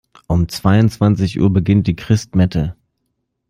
Um zweiundzwanzig Uhr beginnt die Christmette.